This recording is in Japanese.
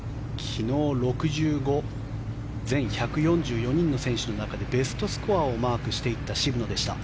昨日６５全１４４人の選手の中でベストスコアをマークした渋野でした。